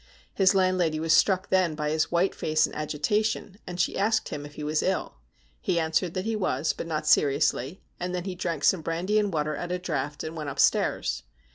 His land lady was struck then by his white face and agitation, and she asked him if he was ill. He answered that he was, but not seriously, and then he drank some brandy and water at a draught, and went upstairs.